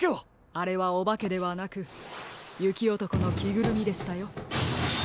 あれはおばけではなくゆきおとこのきぐるみでしたよ。